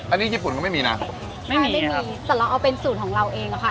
อันนี้ญี่ปุ่นก็ไม่มีนะไม่ไม่มีแต่เราเอาเป็นสูตรของเราเองอะค่ะ